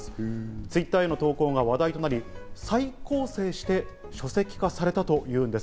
Ｔｗｉｔｔｅｒへの投稿が話題となり、再構成して書籍化されたというんです。